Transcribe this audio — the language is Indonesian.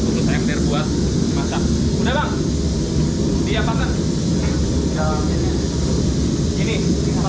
gunung ember buat masak udah bang diapakan